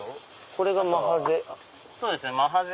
これがマハゼ？